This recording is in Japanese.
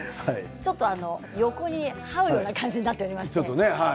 ちょっと横にはうような感じになっています。